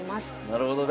なるほど。